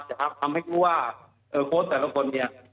ทำให้ดูว่าโครชน์แต่ละคน